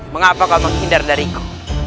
mengapa kau menghindar dariku